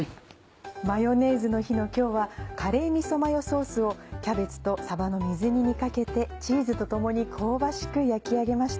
マヨネーズの日の今日はカレーみそマヨソースをキャベツとさばの水煮にかけてチーズと共に香ばしく焼き上げました。